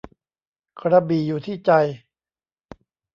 กระบี่อยู่ที่ใจ